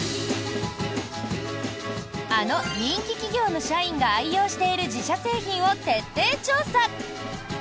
あの人気企業の社員が愛用している自社製品を徹底調査。